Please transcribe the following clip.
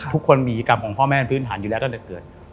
ทุกคนมีกรรมของพ่อแม่เป็นพื้นฐานอยู่แล้วตั้งแต่เกิด